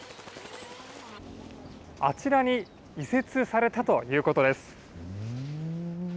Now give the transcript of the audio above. あちらに移設されたということです。